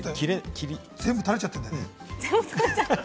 全部たれちゃってるんだよね。